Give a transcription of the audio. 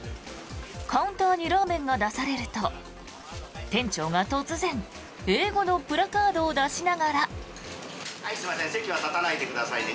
カウンターにラーメンが出されると、店長が突然英語のプラカードを出しながら。